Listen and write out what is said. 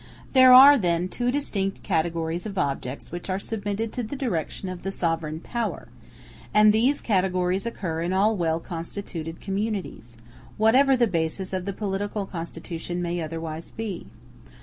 There are, then, two distinct categories of objects which are submitted to the direction of the sovereign power; and these categories occur in all well constituted communities, whatever the basis of the political constitution may otherwise be.